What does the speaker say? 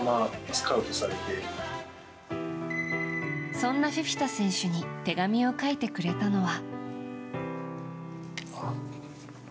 そんなフィフィタ選手に手紙を書いてくれたのは。